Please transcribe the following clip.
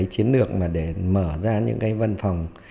chiến lược để mở ra những văn phòng